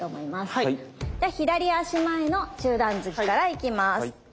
では左足前の中段突きからいきます。